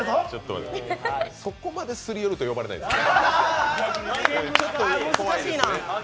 そこまですり寄ると、呼ばれないですよ。